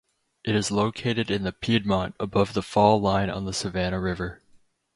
It is located in the Piedmont above the fall line on the Savannah River.